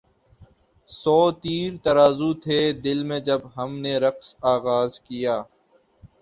سو تیر ترازو تھے دل میں جب ہم نے رقص آغاز کیا